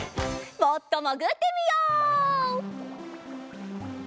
もっともぐってみよう！